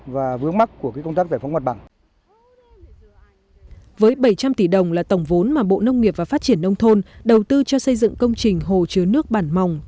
với bảy trăm linh tỷ đồng là tổng vốn mà bộ nông nghiệp và phát triển nông thôn đầu tư cho xây dựng công trình hồ chứa nước bản mòng